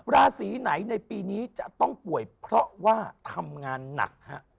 ราศีไหนในปีนี้จะต้องป่วยเพราะว่าทำงานหนักฮะ